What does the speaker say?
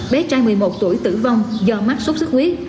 bé trai một mươi một tuổi tử vong do mắc sốt xuất huyết